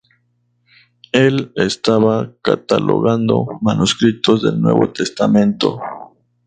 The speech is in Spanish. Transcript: Él estaba catalogando manuscritos del Nuevo Testamento.